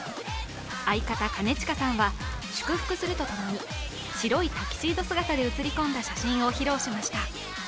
相方、兼近さんは、祝福するとともに白いタキシード姿で写り込んだ写真を披露しました。